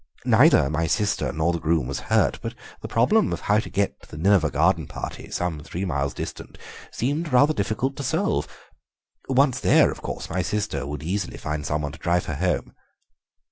Neither my sister nor the groom was hurt, but the problem of how to get to the Nineveh garden party, some three miles distant, seemed rather difficult to solve; once there, of course, my sister would easily find some one to drive her home.